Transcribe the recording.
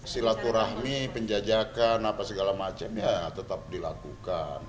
silaturahmi penjajakan apa segala macam ya tetap dilakukan